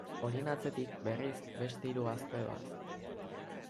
Horien atzetik, berriz, beste hiru gazte doaz.